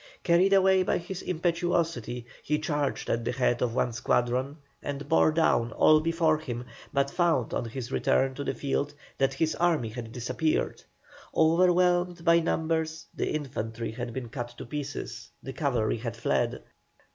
Carried away by his impetuosity, he charged at the head of one squadron, and bore down all before him, but found on his return to the field that his army had disappeared. Overwhelmed by numbers the infantry had been cut to pieces, the cavalry had fled.